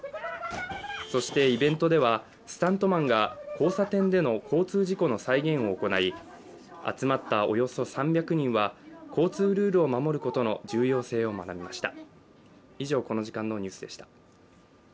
イベントではスタントマンが交差点での交通事故の再現を行い集まったおよそ３００人は交通ルールを守ることの重要性を学びました。